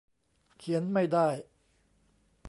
เขียนไม่ได้